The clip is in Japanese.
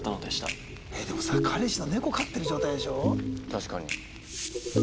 確かに。